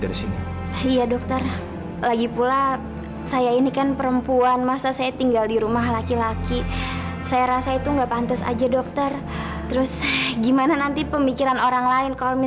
ada sesuatu yang penting yang mau saya sampaikan ke ibu